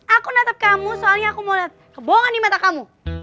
aku natap kamu soalnya aku mau kebohongan di mata kamu